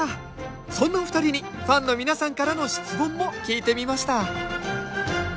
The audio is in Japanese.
そんなお二人にファンの皆さんからの質問も聞いてみました